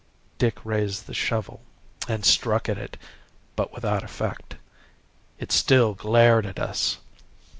"Dick raised the shovel and struck at it, but without effect it still glared at us.